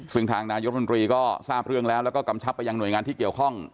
ซึ่งทางนายกรมนตรีก็ทราบเรื่องแล้วแล้วก็กำชับไปยังหน่วยงานที่เกี่ยวข้อง